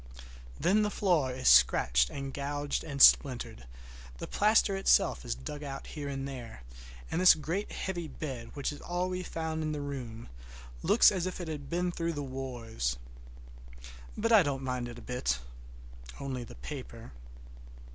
Then the floor is scratched and gouged and splintered, the plaster itself is dug out here and there, and this great heavy bed, which is all we found in the room, looks as if it had been through the wars. But I don't mind it a bit—only the paper.